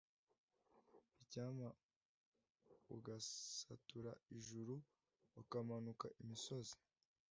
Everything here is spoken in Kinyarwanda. icyampa ugasatura ijuru ukamanuka imisozi